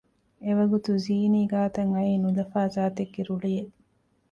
އެވަގުތު ޒީނީ ގާތަށް އައީ ނުލަފާ ޒާތެއްގެ ރުޅިއެއް